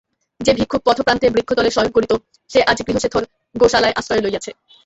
যে ভিক্ষুক পথপ্রান্তে বৃক্ষতলে শয়ন করিত সে আজ গৃহসেথর গোশালায় আশ্রয় লইয়াছে।